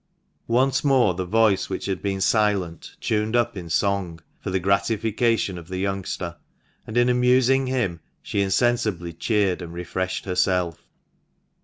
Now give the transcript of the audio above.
Once more the voice which had been silent tuned up in song, for the gratification of the youngster, and in amusing him she insensibly cheered and refreshed herself.